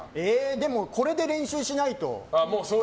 でも、これで練習しないと。